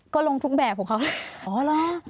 ก็ลงทุกแบบของเขาเลย